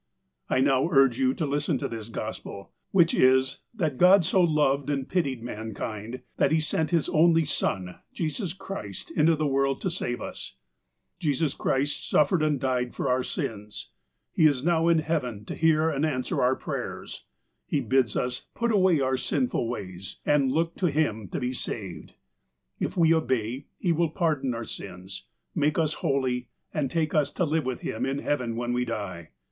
THE FIRST MESSAGE 125 " I now urge you to listen to this Gospel, wMch is : That God so loved and pitied mankind, that He sent His only Son, Jesus Christ, into the world to save us, '' Jesus Christ suffered and died for our sins. " He is now in heaven to hear and answer our prayers. He bids us put away our sinful ways, and look to Him to be saved. *' If we obey. He will pardon our sins, make us holy, and take us to live with Him in heaven when we die.